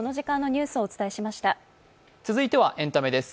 続いてはエンタメです。